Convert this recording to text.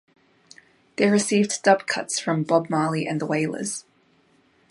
They received dub cuts from Bob Marley and The Wailers.